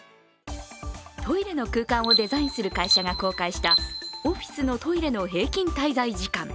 トイレの空間をデザインする会社が公開したオフィスのトイレの平均滞在時間。